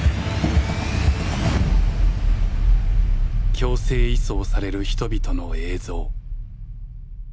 強制移送される人々の映像。